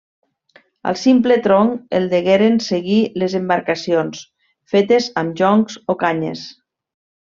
Al simple tronc, el degueren seguir les embarcacions fetes amb joncs o canyes.